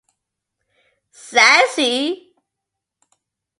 Sassy.